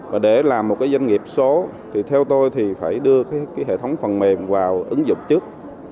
và để làm một cái doanh nghiệp số thì theo tôi thì phải đưa cái hệ thống phần mềm vào ứng dụng trước